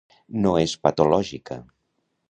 No és patològica.